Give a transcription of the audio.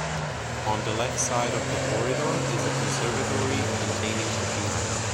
On the left side of the Corridor is a Conservatory containing a piano.